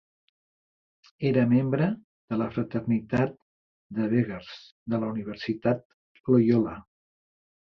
Era membre de la Fraternitat de Beggars de la Universitat Loyola.